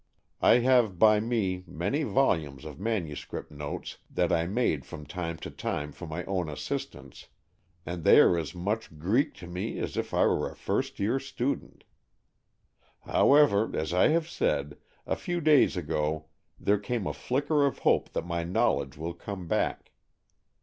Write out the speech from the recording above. I have by me many volumes of manuscript notes that I made from time to time for my own assistance, and they are as much Greek to me as if I were a first year student. How ever, as I have said, a few days ago there came a flicker of hope that my knowledge will come back.